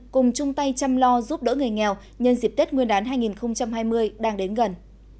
cùng chung tay chăm lo giúp đỡ người nghèo nhân dịp tết nguyên đán hai nghìn hai mươi đang đến gần